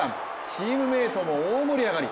チームメートも大盛り上がり。